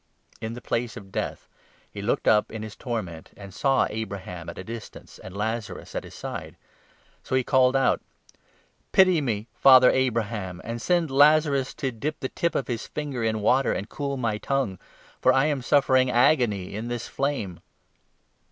In the Place of Death he looked up in his torment, 23 and saw Abraham at a distance and Lazarus at his side. So he 24 called out ' Pity me, Father Abraham, and send Lazarus to dip the tip of his finger in water and cool my tongue, for I am suffering agony in this flame.'